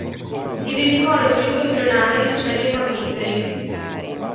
Si dedicò allo sviluppo embrionale di uccelli e mammiferi.